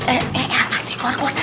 eh eh eh apa di keluar keluar